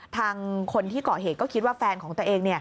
ทางคนที่เกาะเหตุก็คิดว่าแฟนของตัวเอง